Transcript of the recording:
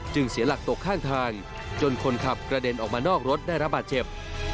เสียหลักตกข้างทางจนคนขับกระเด็นออกมานอกรถได้รับบาดเจ็บ